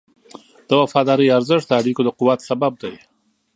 د وفادارۍ ارزښت د اړیکو د قوت سبب دی.